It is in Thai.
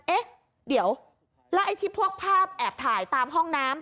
เอ๊ะเดี๋ยวแล้วไอ้ที่พวกภาพแอบถ่ายตามห้องน้ำ